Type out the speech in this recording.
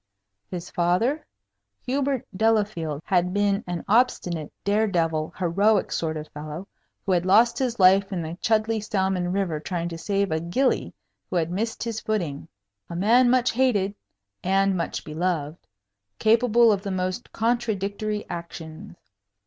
His father? Hubert Delafield had been an obstinate, dare devil, heroic sort of fellow, who had lost his life in the Chudleigh salmon river trying to save a gillie who had missed his footing. A man much hated and much beloved; capable of the most contradictory actions.